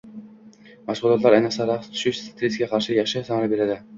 Mashg‘ulotlar, ayniqsa, raqs tushish stressga qarshi yaxshi samara beradi